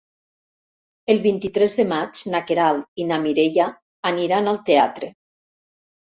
El vint-i-tres de maig na Queralt i na Mireia aniran al teatre.